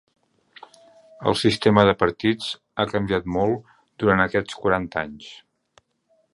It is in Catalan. El sistema de partits ha canviat molt durant aquests quaranta anys.